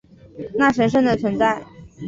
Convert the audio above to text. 那神圣的存在